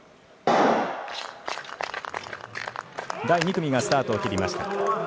第２組がスタートを切りました。